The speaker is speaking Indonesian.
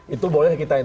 itu boleh kita yang